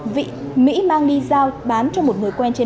vị mỹ mang đi giao bán sản phẩm động vật nguy cấp quý hiếm